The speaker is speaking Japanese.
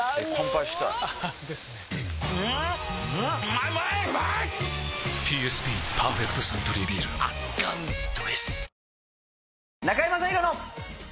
ＰＳＢ「パーフェクトサントリービール」圧巻どぇす！